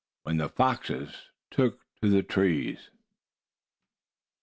WHEN THE FOXES TOOK TO THE TREES.